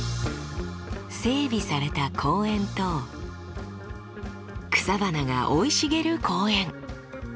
整備された公園と草花が生い茂る公園。